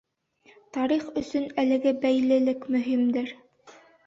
Тарих өсөн әлеге бәйлелек мөһимдер.